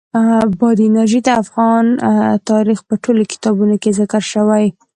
بادي انرژي د افغان تاریخ په ټولو کتابونو کې ذکر شوې.